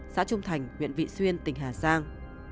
xã trung thành huyện vị xuyên tỉnh hà giang